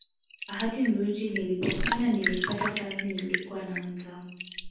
Bahati nzuri nilipokwenda nilipata kazi nilikuwa na wenzangu